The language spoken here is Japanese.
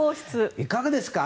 いかがですか？